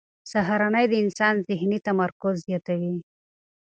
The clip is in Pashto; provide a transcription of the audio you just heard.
سهارنۍ د انسان ذهني تمرکز زیاتوي.